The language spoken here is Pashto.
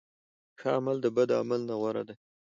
ښه عمل د بد عمل نه غوره دی.